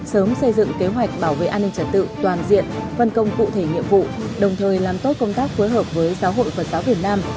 sớm xây dựng kế hoạch bảo vệ an ninh trật tự toàn diện phân công cụ thể nhiệm vụ đồng thời làm tốt công tác phối hợp với giáo hội phật giáo việt nam